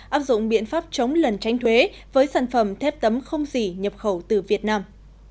áp dụng biện pháp chống lần tránh thuế với sản phẩm thép tấm không gì nhập khẩu từ việt nam